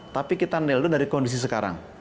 tapi kita kneel down dari kondisi sekarang